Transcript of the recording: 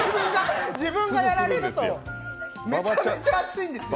自分がやられると、めちゃめちゃ熱いんですよ。